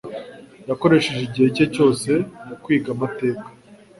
Yakoresheje igihe cye cyose mu kwiga amateka.